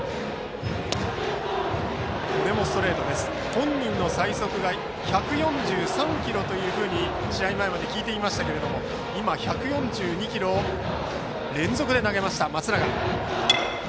本人の最速が１４３キロと試合前までは聞いていましたが今、１４２キロを連続で投げました。